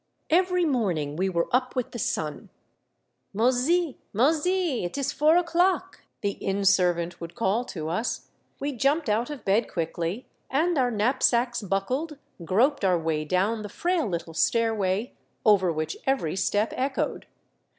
Every morning we were up with the sun. " Mossi6, Mossi6 ! it is four o'clock !" the inn servant would call to us. We jumped out of bed 132 Monday Tales, quickly, and our knapsacks buckled, groped our way down the frail little stairway, over which every step echoed.